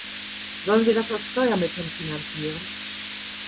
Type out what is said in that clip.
Sollen wir das aus Steuermitteln finanzieren?